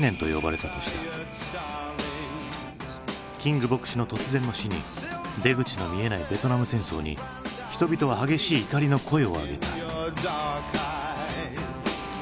キング牧師の突然の死に出口の見えないベトナム戦争に人々は激しい怒りの声を上げた。